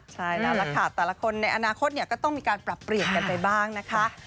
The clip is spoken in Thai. ใช่แล้วล่ะค่ะแต่ละคนในอนาคตก็ต้องมีการปรับเปลี่ยนกันไปบ้างนะคะ